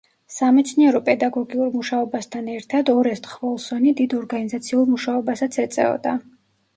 სამეცნიერო-პედაგოგიურ მუშაობასთან ერთად ორესტ ხვოლსონი დიდ ორგანიზაციულ მუშაობასაც ეწეოდა.